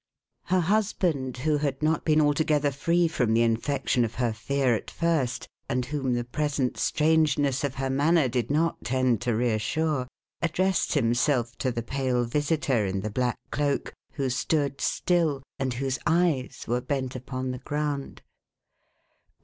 Her husband, who had not been altogether free from the infection of her fear at first, and whom the present strange ness of her manner did not tend to reassure, addressed himself to the pale visitor in the black cloak, who stood still, and whose eyes were bent upon the ground.